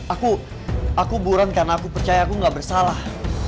aku aku buren karena aku percaya aku gak bersalah